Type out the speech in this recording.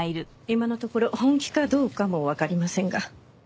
今のところ本気かどうかもわかりませんが。